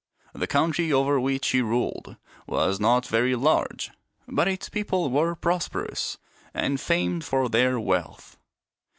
The country over which he ruled was not very large, but its people were prosperous and famed for their wealth.